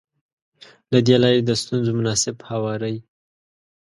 له دې لارې د ستونزو مناسب هواری.